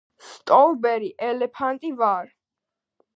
სტოვბერი ელეფანტი ვარ